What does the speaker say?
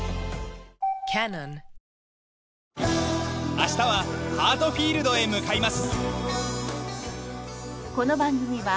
明日はハートフィールドへ向かいます。